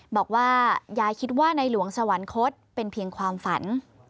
บอกว่ายายคิดว่าในหลวงสวรรคตเป็นเพียงความฝัน